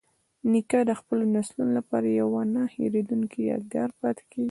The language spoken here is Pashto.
نیکه د خپلو نسلونو لپاره یوه نه هیریدونکې یادګار پاتې کوي.